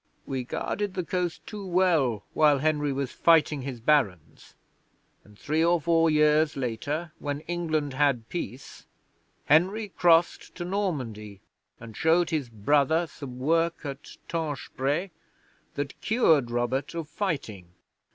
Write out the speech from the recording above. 'We guarded the coast too well while Henry was fighting his Barons; and three or four years later, when England had peace, Henry crossed to Normandy and showed his brother some work at Tenchebrai that cured Robert of fighting.